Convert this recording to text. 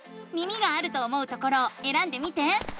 耳があると思うところをえらんでみて。